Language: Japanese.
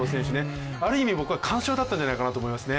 ある意味、僕は完勝だったんじゃないかと思いますね。